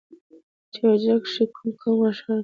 په حجره کښې کوم کوم مشران کښېني؟